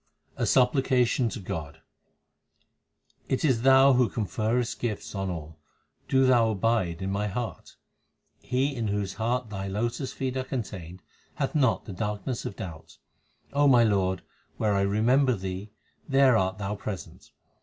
A supplication to God : It is Thou who conferrest gifts on all ; do Thou abide in my heart. 1 Brahma, Vishnu, and Shiv. HYMNS OF GURU ARJAN 335 He in whose heart Thy lotus feet are contained, hath not the darkness of doubt. O my Lord, where I remember Thee, there art Thou present.